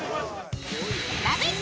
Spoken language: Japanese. ラヴィット！